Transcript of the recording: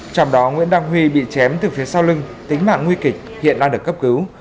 trong đó nguyễn đăng huy bị chém từ phía sau lưng tính mạng nguy kịch hiện đang được cấp cứu